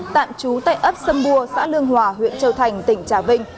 tạm trú tại ấp sâm bua xã lương hòa huyện châu thành tỉnh trà vinh